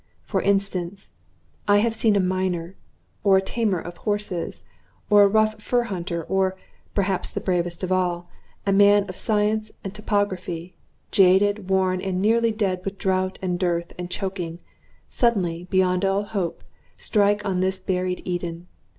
For instance, I have seen a miner, or a tamer of horses, or a rough fur hunter, or (perhaps the bravest of all) a man of science and topography, jaded, worn, and nearly dead with drought and dearth and choking, suddenly, and beyond all hope, strike on this buried Eden.